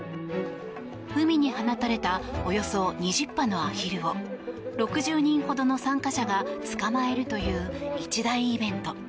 海に放たれたおよそ２０羽のアヒルを６０人ほどの参加者が捕まえるという一大イベント。